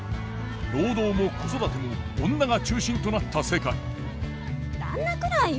労働も子育ても女が中心となった世界旦那くらいよ。